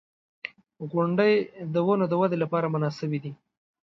• غونډۍ د ونو د ودې لپاره مناسبې دي.